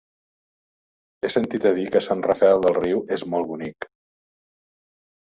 He sentit a dir que Sant Rafel del Riu és molt bonic.